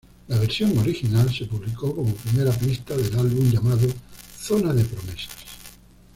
La versión original se publicó como primera pista del álbum llamado Zona de promesas.